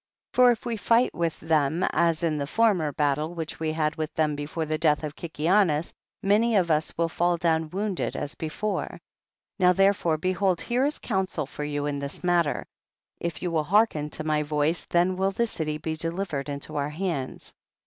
For if we fight with them as in the former battle which we had with them before the death of Kikianus, many of us will fall down wounded as before. 9. Now therefore behold here is counsel for yoii in this matter ; if you will hearken to my voice, then will the city be delivered into our hands. 10.